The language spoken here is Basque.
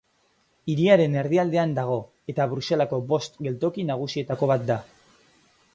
Hiriaren erdialdean dago, eta Bruselako bost geltoki nagusietako bat da.